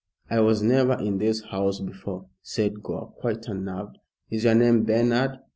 "I was never in this house before," said Gore, quite unnerved. "Is your name Bernard?"